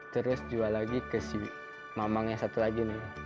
terus jual lagi ke si mamang yang satu lagi nih